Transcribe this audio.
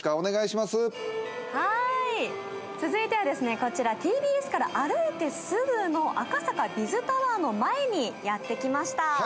こちらＴＢＳから歩いてすぐの赤坂Ｂｉｚタワーの前にやってきました